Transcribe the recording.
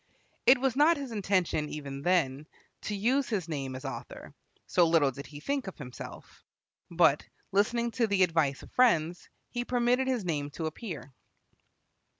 It was not his intention, even then, to use his name as author, so little did he think of himself. But, listening to the advice of friends, he permitted his name to appear.